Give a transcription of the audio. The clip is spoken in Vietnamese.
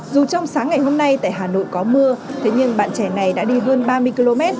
dù trong sáng ngày hôm nay tại hà nội có mưa thế nhưng bạn trẻ này đã đi hơn ba mươi km